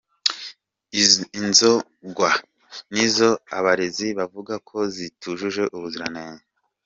Inzo ngwa ni zo abarezi bavuga ko zitujuje ubuziranenge.